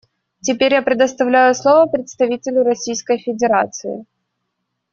Теперь я предоставляю слово представителю Российской Федерации.